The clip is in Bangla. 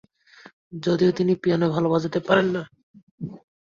যদিও তিনি পিয়ানো ভালো বাজাতে পারেন না।